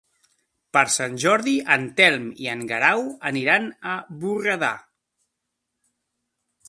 Per Sant Jordi en Telm i en Guerau aniran a Borredà.